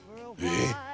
えっ！？